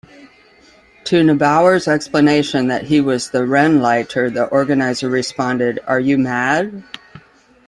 To Neubauer's explanation that he was the "Rennleiter", the organizer responded: 'Are you mad?